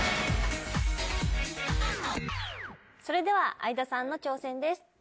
それでは相田さんの挑戦です。